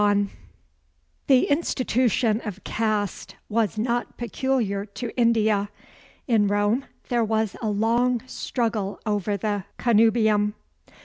HUNTER The institution of caste was not peculiar to India. In Rome there was a long struggle over the connubium.